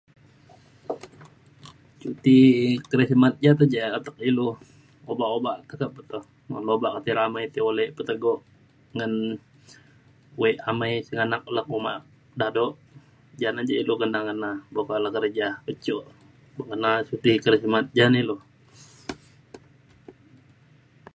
Cuti Krismas ja te ja atek ilu obak obak pe to pe to obak o ti ramai ti ulek petegok ngan wek amai sengganak le uma dado. Ja na ja ilu kena ngena buk le kerja jok. Pekena suti Krismas ja ne ilu.